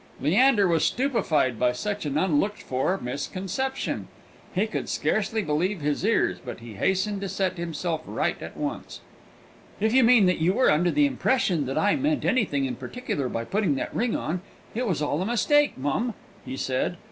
Leander was stupefied by such an unlooked for misconception. He could scarcely believe his ears; but he hastened to set himself right at once. "If you mean that you were under the impression that I meant anything in particular by putting that ring on, it was all a mistake, mum," he said.